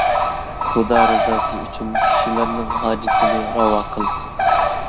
خۇدا رىزاسى ئۈچۈن كىشىلەرنىڭ ھاجىتىنى راۋا قىل.